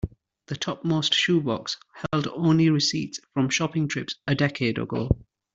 The topmost shoe box held only receipts from shopping trips a decade ago.